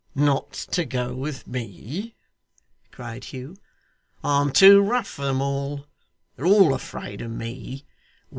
'Not to go with me!' cried Hugh. 'I'm too rough for them all. They're all afraid of me.